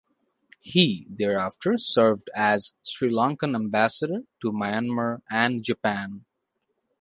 He thereafter served as Sri Lankan Ambassador to Myanmar and Japan.